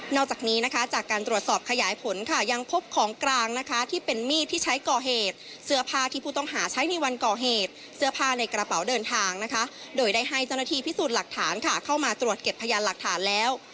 จากนี้นะคะจากการตรวจสอบขยายผลค่ะยังพบของกลางนะคะที่เป็นมีดที่ใช้ก่อเหตุเสื้อผ้าที่ผู้ต้องหาใช้ในวันก่อเหตุเสื้อผ้าในกระเป๋าเดินทางนะคะโดยได้ให้เจ้าหน้าที่พิสูจน์หลักฐานค่ะเข้ามาตรวจเก็บพยานหลักฐานแล้ว